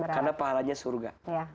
karena pahalanya surga